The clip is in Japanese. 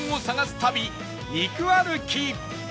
旅肉歩き